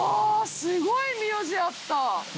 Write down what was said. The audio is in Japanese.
すごい名字あった？